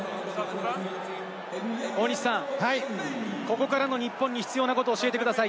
大西さん、ここからの日本に必要なことを教えてください。